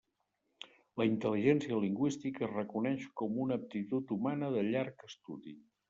La intel·ligència lingüística es reconeix com una aptitud humana de llarg estudi.